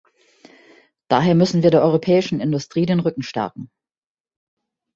Daher müssen wir der europäischen Industrie den Rücken stärken.